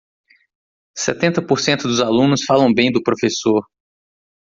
Setenta por cento dos alunos falam bem do professor.